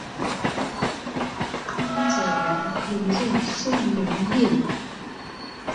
康子元历任献陵令。